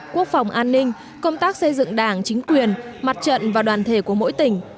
quốc phòng an ninh công tác xây dựng đảng chính quyền mặt trận và đoàn thể của mỗi tỉnh